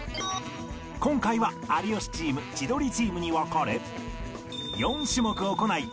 今回は有吉チーム千鳥チームに分かれ４種目行い